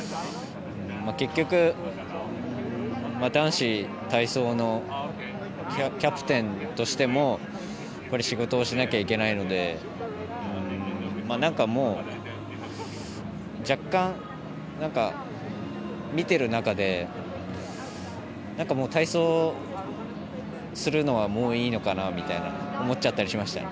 結局男子体操のキャプテンとしても仕事をしなければいけないので若干、見てる中で体操するのはもういいのかなみたいに思っちゃったりしました。